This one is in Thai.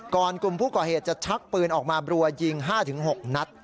กลุ่มผู้ก่อเหตุจะชักปืนออกมาบรัวยิง๕๖นัด